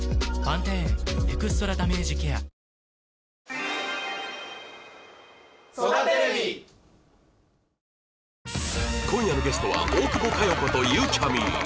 え．．．今夜のゲストは大久保佳代子とゆうちゃみ